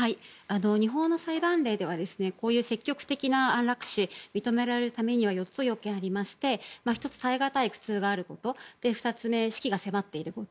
日本の裁判例ではこういう積極的な安楽死が認められるには４つ、要件がありまして１つ、耐えがたい苦痛があること２つ目、死期が迫っていること